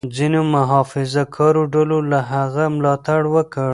ځینو محافظه کارو ډلو له هغه ملاتړ وکړ.